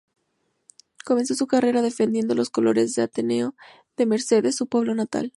Comenzó su carrera defendiendo los colores de Ateneo de Mercedes, su pueblo natal.